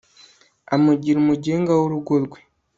amugira umugenga w'urugo rwe